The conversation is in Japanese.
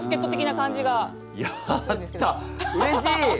うれしい！